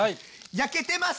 焼けてます！